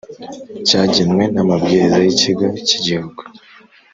cyagenwe n amabwiriza y Ikigo cyigihugu